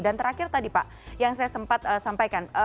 dan terakhir tadi pak yang saya sempat sampaikan